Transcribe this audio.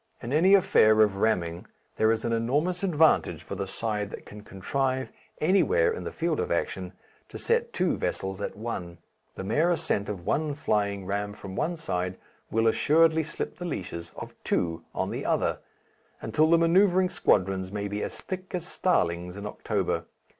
In any affair of ramming there is an enormous advantage for the side that can contrive, anywhere in the field of action, to set two vessels at one. The mere ascent of one flying ram from one side will assuredly slip the leashes of two on the other, until the manoeuvring squadrons may be as thick as starlings in October.